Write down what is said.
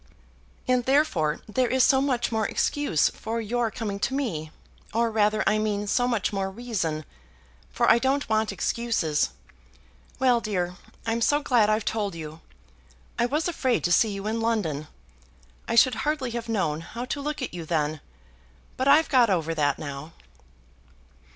"And therefore there is so much more excuse for your coming to me; or rather I mean so much more reason, for I don't want excuses. Well, dear, I'm so glad I've told you. I was afraid to see you in London. I should hardly have known how to look at you then. But I've got over that now."